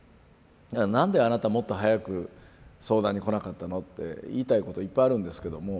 なんであなたもっと早く相談に来なかったのって言いたいこといっぱいあるんですけども。